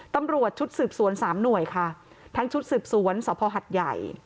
ตำรวจชุดสืบสวนสามหน่วยค่ะทั้งชุดสืบสวนสภหัดใหญ่